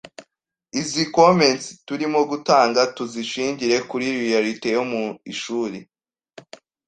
Izi comments turimo gutanga, tuzishingire kuri reality yo mu ishuli.